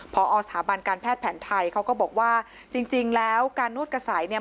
พอสถาบันการแพทย์แผนไทยเขาก็บอกว่าจริงจริงแล้วการนวดกระสัยเนี่ย